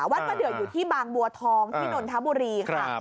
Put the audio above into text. วัดมะเดืออยู่ที่บางบัวทองที่นนทบุรีค่ะ